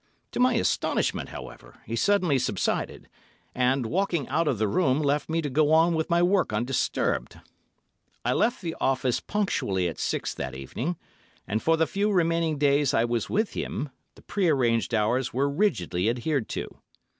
To my astonishment, however, he suddenly subsided, and, walking out of the room, left me to go on with my work undisturbed. I left the office punctually at six that evening, and for the few remaining days I was with him, the prearranged hours were rigidly adhered to.